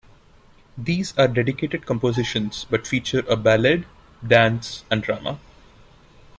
These are dedicated compositions but feature a ballad, dance and drama.